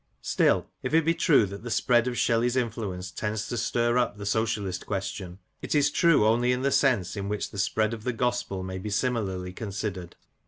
Still, if it be true that the spread of Shelley's influence tends to stir up the Socialist question, it is true only in the sense in which the spread of the gospel may be similarly considered.